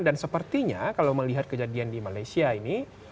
dan sepertinya kalau melihat kejadian di malaysia ini